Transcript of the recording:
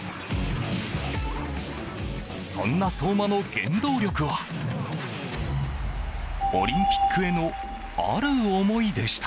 そんな相馬の原動力はオリンピックへのある思いでした。